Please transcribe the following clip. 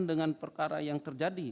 dengan perkara yang terjadi